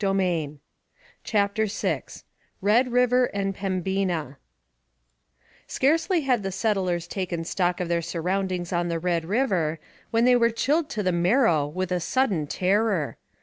CHAPTER VI RED RIVER AND PEMBINA Scarcely had the settlers taken stock of their surroundings on the Red River when they were chilled to the marrow with a sudden terror.